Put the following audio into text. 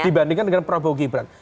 dibandingkan dengan prabowo gibrant